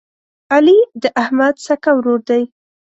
علي د احمد سکه ورور دی.